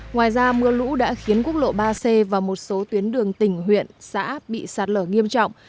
ngoài ra mưa lũ đã khiến quốc lộ ba c và một số tuyến đường tỉnh huyện xã bị sạt lở nghiêm trọng